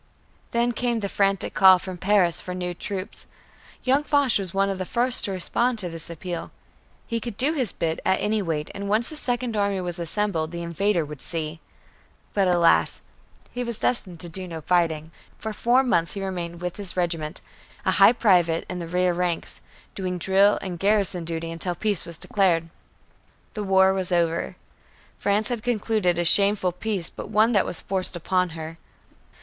Then came the frantic call from Paris for new troops. Young Foch was one of the first to respond to this appeal. He could do his bit, at any rate, and once the Second Army was assembled, the invader would see! But alas! he was destined to do no fighting. For four months he remained with his regiment, a high private in the rear ranks, doing drill and garrison duty until peace was declared. The war was over. France had concluded a shameful peace but one that was forced upon her.